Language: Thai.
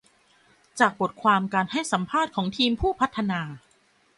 จากบทความการให้สัมภาษณ์ของทีมผู้พัฒนา